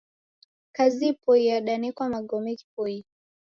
Kazi ipoiye yadanekwa magome ghipoiye